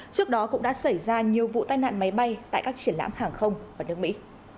trước đó cũng đã xảy ra nhiều vụ tai nạn máy bay tại các triển lãm hàng không ở nước mỹ